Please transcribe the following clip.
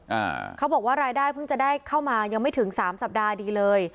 อ่าเขาบอกว่ารายได้เพิ่งจะได้เข้ามายังไม่ถึงสามสัปดาห์ดีเลย